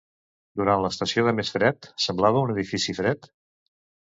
Durant l'estació de més fred, semblava un edifici fred?